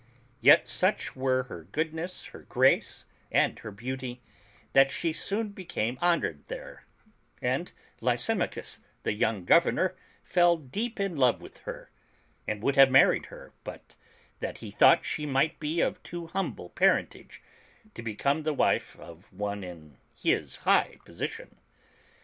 Yet such were her goodness, her grace, and her^]j»eauty, that she soon became honored there, and Lysimachus, the young Governor, fell deep in love with her, and would have married her, but that he thought she must be of too humble parentage to become the wife of one in his high position.